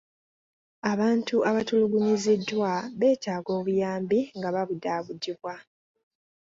Abantu abatulugunyiziddwa beetaaga obuyambi nga babudaabudibwa.